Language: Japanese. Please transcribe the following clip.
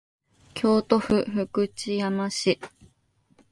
京都府福知山市